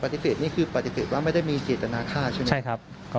นี่คือปฏิเสธว่าไม่ได้มีเจตนาฆ่าใช่ไหม